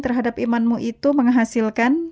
terhadap imanmu itu menghasilkan